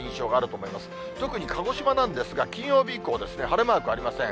特に鹿児島なんですが、金曜日以降、晴れマークありません。